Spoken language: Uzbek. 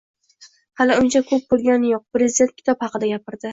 Hali uncha ko‘p bo‘lgani yo‘q, prezident kitob xaqida gapirdi.